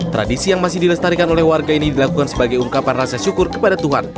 tradisi yang masih dilestarikan oleh warga ini dilakukan sebagai ungkapan rasa syukur kepada tuhan